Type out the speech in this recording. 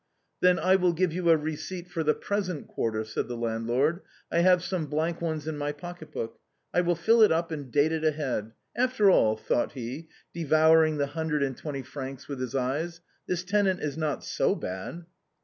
" Then I will give you a receipt for the present quarter," said the landlord. " I have some blank ones in my pocket book. I will fill it up and date it ahead. After all," thought he, devouring the hundred and twenty francs with his eyes, " this tenant is not so bad."